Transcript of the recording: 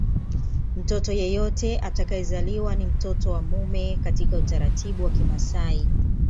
Mtoto yeyote atakayezaliwa ni mtoto wa mume katika utaratibu wa Kimasai